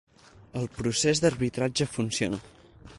El procés d'arbitratge funciona.